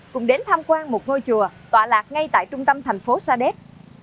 cùng đến tham quan một ngôi chùa tọa lạc ngay tại trung tâm thành phố sa đéc